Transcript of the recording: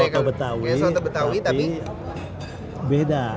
soto betawi tapi beda